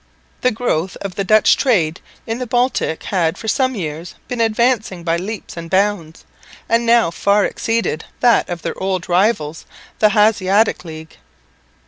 The growth of the Dutch trade in the Baltic had for some years been advancing by leaps and bounds, and now far exceeded that of their old rivals, the Hanseatic league.